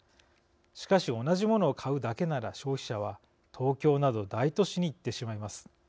しかし、同じものを買うだけなら消費者は東京など大都市に行ってしまいます。